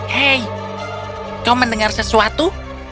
hei kau mendengar sesuatu